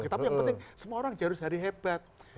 tapi yang penting semua orang harus hari hebat